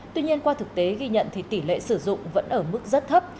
tuy nhiên qua thực tế ghi nhận thì tỷ lệ sử dụng vẫn ở mức rất thấp